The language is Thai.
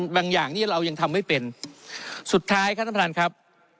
อย่างที่เรายังทำไม่เป็นสุดท้ายครับท่านประธานครับ